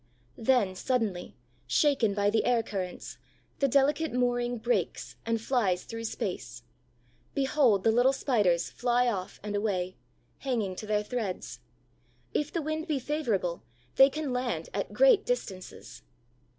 Then, suddenly, shaken by the air currents, the delicate mooring breaks and flies through space. Behold the little Spiders fly off and away, hanging to their threads! If the wind be favorable, they can land at great distances.